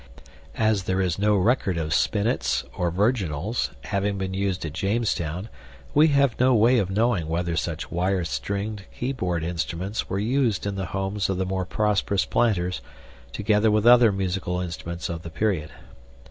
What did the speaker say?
As there is no record of spinets, or virginals, having been used at Jamestown, we have no way of knowing whether such wire stringed, keyboard instruments were used in the homes of the more prosperous planters, together with other musical instruments of the period.